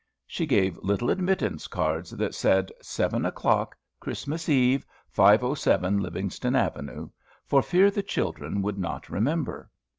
She gave little admittance cards, that said, "7 o'clock, Christmas Eve, 507 Livingstone Avenue," for fear the children would not remember.